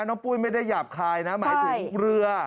ปุ้ยไม่ได้หยาบคายนะหมายถึงเรือ